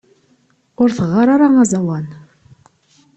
Ur teɣɣar ara aẓawan.